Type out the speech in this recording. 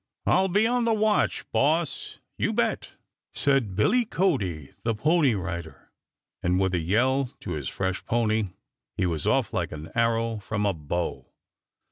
"I'll be on the watch, Boss, you bet," said Billy Cody, the pony rider, and with a yell to his fresh pony he was off like an arrow from a bow.